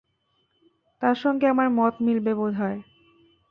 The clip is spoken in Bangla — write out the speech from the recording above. তার সঙ্গে আমার মত মিলবে বোধ হয়।